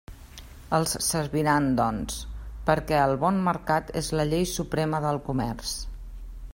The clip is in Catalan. Els serviran, doncs, perquè el bon mercat és la llei suprema del comerç.